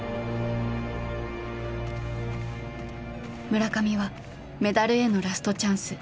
村上はメダルへのラストチャンス